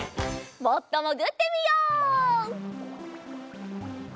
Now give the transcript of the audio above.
もっともぐってみよう。